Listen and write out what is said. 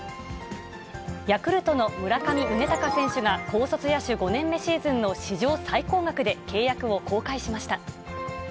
ヤクルトの村上宗隆選手が、高卒野手５年目シーズンの史上最高額で契約を更改しました。